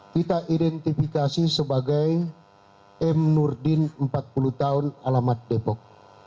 kita identifikasi sebagai m nurdin empat puluh tahun alamat depok